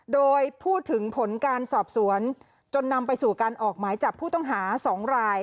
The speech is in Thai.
โดยพูดถึงผลการสอบสวนจนนำไปสู่การออกหมายจับผู้ต้องหา๒ราย